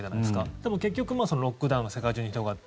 でも、結局そのロックダウンが世界中に広がって。